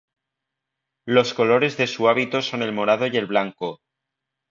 Los colores de su hábito son el morado y el blanco.